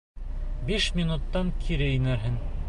Биш минуттан кире инерһең.